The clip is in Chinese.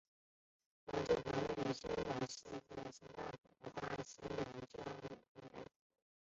龙珠潭位于香港新界大埔区的八仙岭郊野公园。